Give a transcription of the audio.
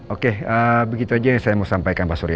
oke begitu saja yang saya mau sampaikan pak surya